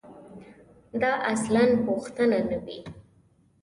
دا اصلاً پوښتنه نه وي.